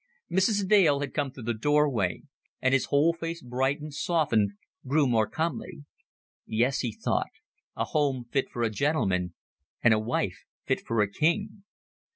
Mrs. Dale had come through the doorway, and his whole face brightened, softened, grew more comely. Yes, he thought, a home fit for a gentleman, and a wife fit for a king.